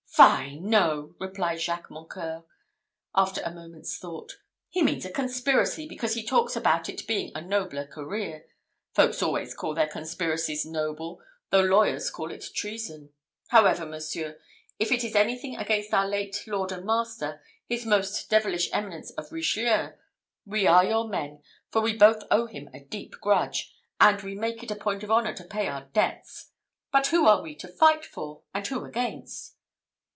"Fie! no," replied Jacques Mocqueur, after a moment's thought. "He means a conspiracy, because he talks about its being a nobler career. Folks always call their conspiracies noble, though lawyers call it treason. However, monseigneur, if it is anything against our late lord and master, his most devilish eminence of Richelieu, we are your men, for we both owe him a deep grudge; and we make it a point of honour to pay our debts. But who are we to fight for, and who against?"